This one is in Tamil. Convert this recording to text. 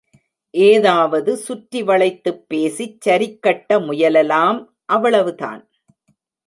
ஏதாவது சுற்றி வளைத்துப் பேசிச் சரிகட்ட முயலலாம் அவ்வளவுதான்!